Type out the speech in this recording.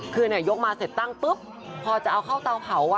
คือยกมาเสร็จตั้งปุ๊บพอจะเอาเข้าเตาเผา